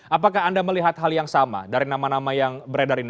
apakah anda melihat hal yang sama dari nama nama yang beredar ini